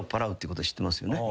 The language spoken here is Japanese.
知ってますよね。